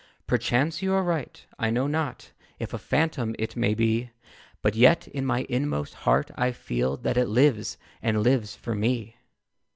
Perchance you are right. I know not If a phantom it may be; But yet, in my inmost heart, I feel That it lives, and lives for me.